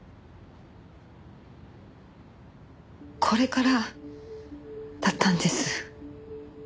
これからだったんです。